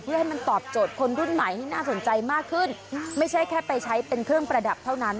เพื่อให้มันตอบโจทย์คนรุ่นใหม่ให้น่าสนใจมากขึ้นไม่ใช่แค่ไปใช้เป็นเครื่องประดับเท่านั้น